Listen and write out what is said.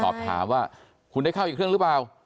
สอบถามว่าคุณได้เข้าอีกเครื่องหรือเปล่า